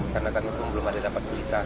karena kami belum ada dapat berita